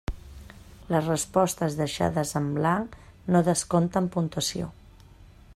Les respostes deixades en blanc no descompten puntuació.